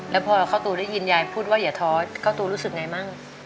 แล้วพอข้าวตูได้ยินยายพูดว่าอย่าท้อข้าวตูรู้สึกไงมั่ง